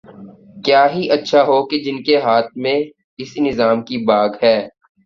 کیا ہی اچھا ہو کہ جن کے ہاتھ میں اس نظام کی باگ ہے۔